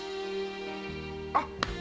あっ！